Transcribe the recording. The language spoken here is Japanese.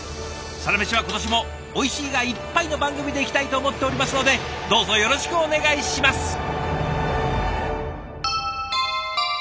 「サラメシ」は今年もおいしいがいっぱいの番組でいきたいと思っておりますのでどうぞよろしくお願いします！